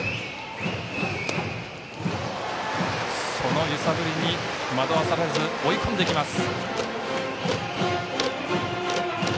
その揺さぶりに惑わされず追い込んでいきます。